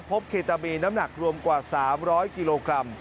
เคตามีน้ำหนักรวมกว่า๓๐๐กิโลกรัม